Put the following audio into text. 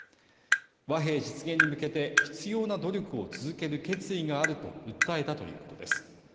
和平実現に向けて必要な努力を続ける決意があると訴えたということです。